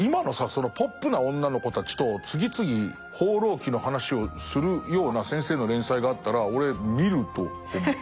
そのポップな女の子たちと次々「放浪記」の話をするような先生の連載があったら俺見ると思う。